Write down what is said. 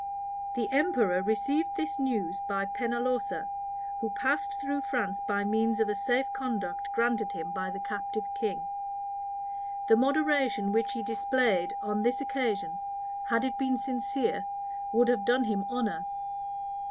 The emperor received this news by Pennalosa, who passed through France by means of a safe conduct granted him by the captive king. The moderation which he displayed on this occasion, had it been sincere, would have done him honor.